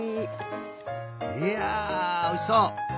いやあおいしそう！